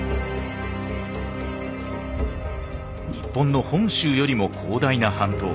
日本の本州よりも広大な半島。